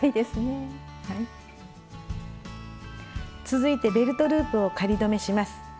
続いてベルトループを仮留めします。